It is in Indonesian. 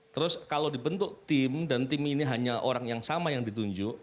terus kalau dibentuk tim dan tim ini hanya orang yang sama yang ditunjuk